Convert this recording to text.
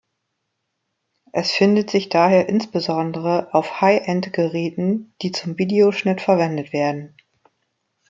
Es findet sich daher insbesondere auf High-End-Geräten, die zum Videoschnitt verwendet werden.